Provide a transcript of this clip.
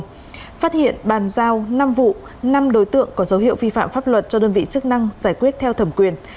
phát hiện bàn giao năm vụ năm đối tượng có dấu hiệu vi phạm pháp luật cho đơn vị chức năng giải quyết theo thẩm quyền